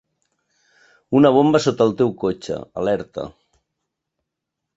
Una bomba sota el teu cotxe, alerta.